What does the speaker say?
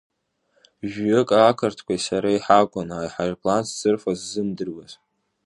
Жәҩык ақырҭқәеи сареи ҳакәын аҳаирплан зцырфоз ззымдыруаз.